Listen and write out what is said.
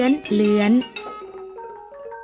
คำว่าดงบงคมกลองหนึ่งด้วยเสียงพาดเสียงผิน